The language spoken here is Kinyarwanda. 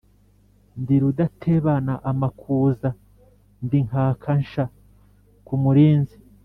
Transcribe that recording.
Ndi rudatebana amakuza, ndi Nkaka nsha ku mulinzi.